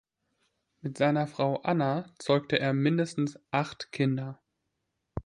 Mit seiner Frau Anna zeugte er mindestens acht Kinder.